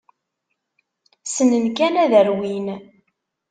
Ssnen kan ad rwin.